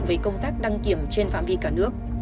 về công tác đăng kiểm trên phạm vi cả nước